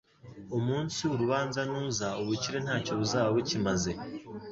Umunsi w’urubanza nuza ubukire nta cyo buzaba bukimaze